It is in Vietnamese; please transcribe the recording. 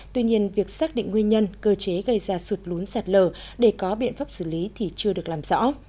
tuy nhiên việc xác định nguyên nhân cơ chế gây ra sụt lún sạt lờ để có biện pháp xử lý thì chưa được làm rõ